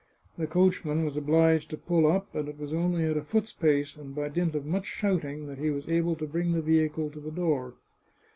The coachman was obliged to pull up, and it was only at a foot's pace and by dint of much shouting that he was able to bring the vehicle to the door.